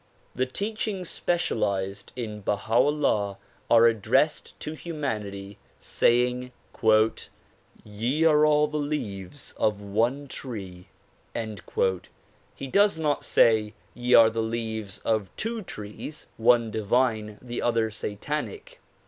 The teachings specialized in Baha 'Ullah are addressed to humanity, saying "Ye are all the leaves of one tree." He does not say "Ye are the leaves of two trees, — one divine, the other satanic."